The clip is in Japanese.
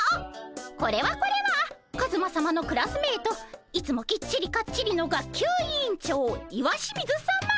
これはこれはカズマさまのクラスメートいつもきっちりかっちりの学級委員長石清水さま。